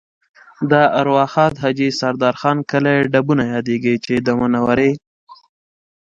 د ارواښاد حاجي سردار خان کلی ډبونه یادېږي چې د منورې